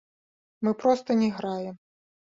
Мы проста не граем.